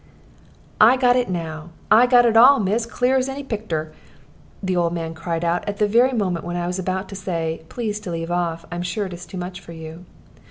"I got it now; I got it all, miss, clear as any pictur'!" the old man cried out, at the very moment when I was about to say, "Please to leave off; I am sure it is too much for you."